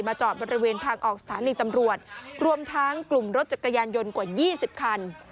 จอดบริเวณทางออกสถานีตำรวจรวมทั้งกลุ่มรถจักรยานยนต์กว่า๒๐คัน